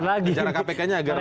ngejar kpk nya agar